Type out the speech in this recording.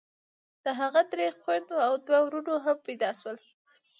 د هغه درې خويندې او دوه ورونه هم پيدا سول.